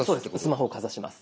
スマホをかざします。